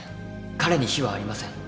彼に非はありません